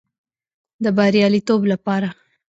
د بریالیتوب لپاره